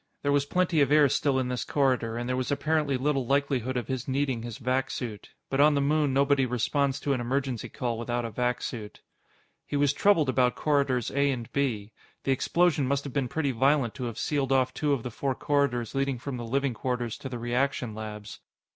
There was plenty of air still in this corridor, and there was apparently little likelihood of his needing his vac suit. But on the moon nobody responds to an emergency call without a vac suit. He was troubled about Corridors A and B. The explosion must have been pretty violent to have sealed off two of the four corridors leading from the living quarters to the reaction labs.